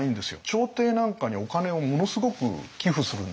朝廷なんかにお金をものすごく寄付するんですよ。